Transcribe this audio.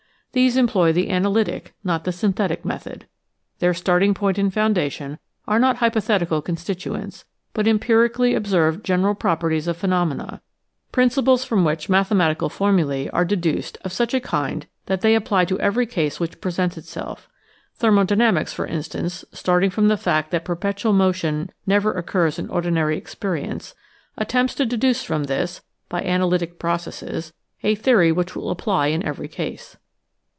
These employ the analytic, not the synthetic method. Their starting point and foundation are not hypothetical constituents, but empirically observed gen eral properties of phenomena, principles from which mathematical formulae are deduced of such a kind that they apply to every case which presents itself. Thermo dynamics, for instance, starting from the fact that per petual motion never occurs in ordinary experience, at tempts to deduce from this, by analytic processes, a theory which will apply in every case.